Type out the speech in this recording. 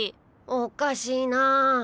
おっかしいなぁ。